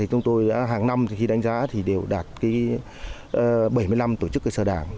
chúng tôi hàng năm khi đánh giá đều đạt bảy mươi năm tổ chức cơ sở đảng